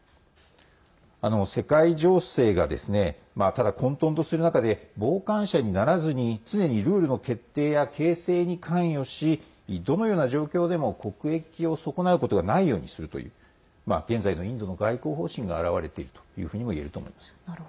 世界情勢が混とんとする中で傍観者にならずに常にルールの決定や形成に関与しどのような状況でも国益を損なうことがないようにするという現在のインドの外交方針が表れているともいえると思います。